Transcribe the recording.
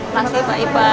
masuk pak ipa